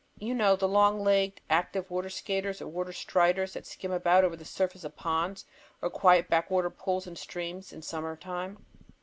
You know the long legged, active water skaters or water striders that skim about over the surface of ponds or quiet backwater pools in streams in summer time?